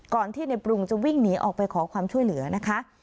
ก่อนที่ในปรุงจะวิ่งหนีออกไปขอความช่วยเหลือนะคะ